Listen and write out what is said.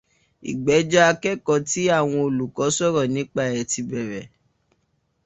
Ìgbẹ́jọ́ akẹ́kọ̀ọ́ tí àwọn olùkọ sọ̀rọ̀ nípa ẹ̀ tí bẹ̀rẹ̀